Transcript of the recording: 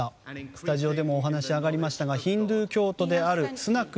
スタジオでもお話がありましたがヒンドゥー教徒であるスナク